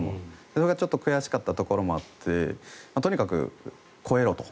それがちょっと悔しかったところもあってとにかく肥えろと。